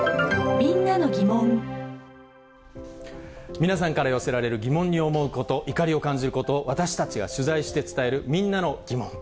皆さんから寄せられる疑問に思うこと、怒りを感じること、私たちが取材して伝えるみんなのギモン。